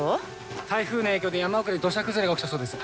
台風の影響で山奥で土砂崩れが起きたそうです。